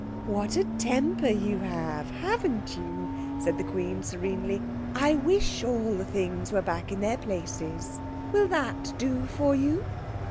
"What a temper you have, haven't you?" said the Queen serenely. "I wish all the things were back in their places. Will that do for you?"